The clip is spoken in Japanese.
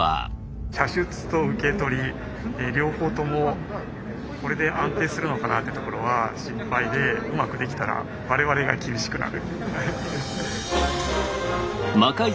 射出と受け取り両方ともこれで安定するのかなってところは心配でうまくできたら我々が厳しくなる。